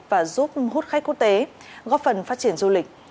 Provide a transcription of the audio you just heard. và giúp hút khách quốc tế góp phần phát triển du lịch